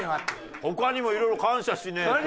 他にもいろいろ感謝しねえと。